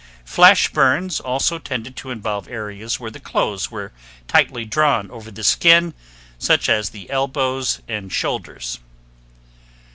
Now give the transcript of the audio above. Flash burns also tended to involve areas where the clothes were tightly drawn over the skin, such as at the elbows and shoulders.